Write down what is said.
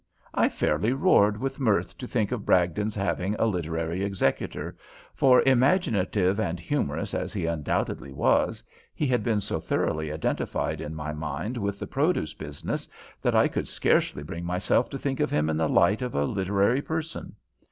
I fairly roared with mirth to think of Bragdon's having a literary executor, for, imaginative and humorous as he undoubtedly was, he had been so thoroughly identified in my mind with the produce business that I could scarcely bring myself to think of him in the light of a literary person.